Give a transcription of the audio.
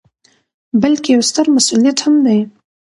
، بلکې یو ستر مسؤلیت هم دی